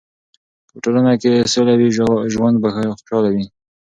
که په ټولنه کې سوله وي، ژوند به خوشحاله وي.